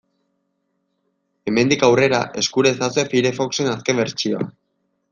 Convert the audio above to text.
Hemendik aurrera eskura ezazue Firefoxen azken bertsioa.